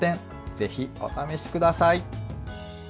ぜひ、お試しください。